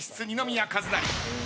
二宮和也。